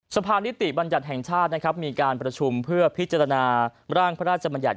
สภานิติบัญญัติแห่งชาตินะครับมีการประชุมเพื่อพิจารณาร่างพระราชบัญญัติ